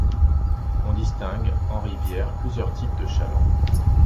On distingue, en rivière, plusieurs types de chalands.